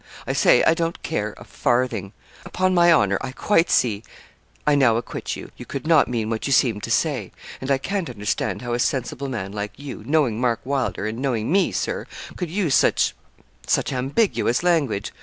I say I don't care a farthing. Upon my honour, I quite see I now acquit you. You could not mean what you seemed to say; and I can't understand how a sensible man like you, knowing Mark Wylder, and knowing me, Sir, could use such such ambiguous language.